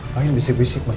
pengen bisik bisik mbak